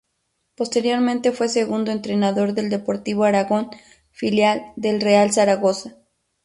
Posteriormente fue segundo entrenador del Deportivo Aragón, filial del Real Zaragoza.